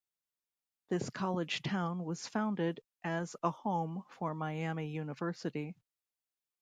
This college town was founded as a home for Miami University.